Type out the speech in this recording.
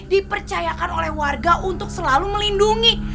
dipercayakan oleh warga untuk selalu melindungi